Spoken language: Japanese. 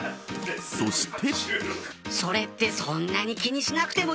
そして。